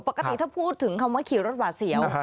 ปกติถ้าพูดถึงคำว่าขี่รถหวาดเสียว